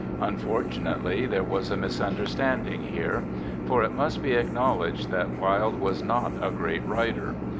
Unfortunately, there was a misunderstanding here, for it must be acknowledged that Wilde was not a great writer.